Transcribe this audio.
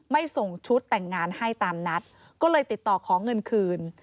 ไม่ส่งชุดแต่งงานให้ตามนัดก็เลยติดต่อขอเงินคืน